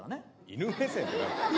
犬目線って何だよ。